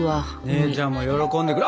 姉ちゃんも喜んでくれ。